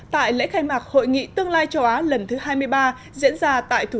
tại lễ khai mạc hội nghị tương lai châu á lần thứ hai mươi ba